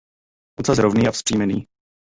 Ocas rovný a vzpřímený.